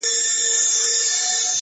کرۍ ورځ په کور کي لوبي او نڅا کړي،